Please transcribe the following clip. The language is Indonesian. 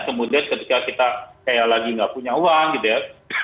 kemudian ketika kita kayak lagi nggak punya uang gitu ya